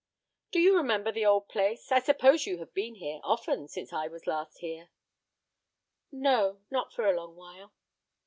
"Do you remember the old place? I suppose you have been here—often—since I was last here." "No, not for a long while."